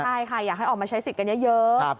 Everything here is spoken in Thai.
ใช่ค่ะอยากให้ออกมาใช้สิทธิ์กันเยอะ